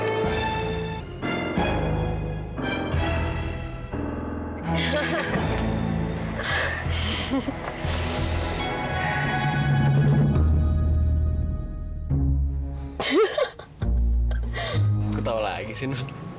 aku tahu lagi sih non